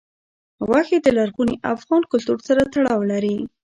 غوښې د لرغوني افغان کلتور سره تړاو لري.